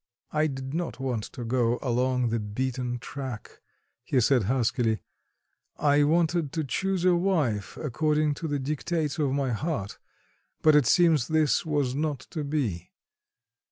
"I did not want to go along the beaten track," he said huskily. "I wanted to choose a wife according to the dictates of my heart; but it seems this was not to be.